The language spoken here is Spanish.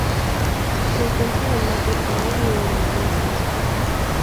Se encuentra en el Mar de Timor y en Indonesia.